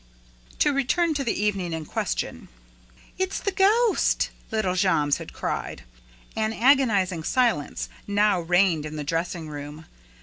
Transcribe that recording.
To return to the evening in question. "It's the ghost!" little Jammes had cried. An agonizing silence now reigned in the dressing room.